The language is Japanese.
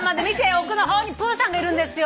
奥の方にプーさんがいるんですよ。